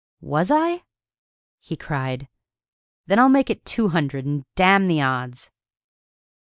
"Was I?" he cried. "Then I'll make it two hundred, and damn the odds!"